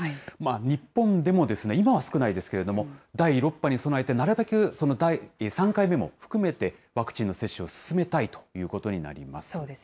日本でも今は少ないですけれども、第６波に備えて、なるべく３回目も含めて、ワクチンの接種を進めたいということになります。